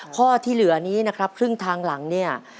ข้อที่เหลือนี้นะครับครึ่งทางหลังเนี่ย